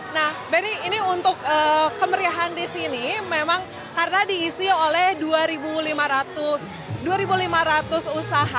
nah benny ini untuk kemeriahan di sini memang karena diisi oleh dua lima ratus usaha